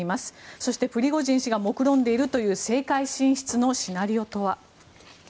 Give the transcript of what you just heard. そしてプリゴジン氏がもくろんでいるという政界進出のシナリオとは。